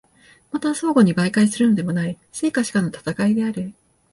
また相互に媒介するのでもない、生か死かの戦である。